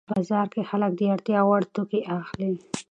بازار کې خلک د اړتیا وړ توکي اخلي